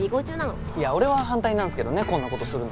いや俺は反対なんすけどねこんな事するの。